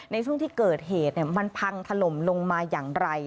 ในช่วงที่เกิดเหตุมันพังถล่มลงมาอย่างไร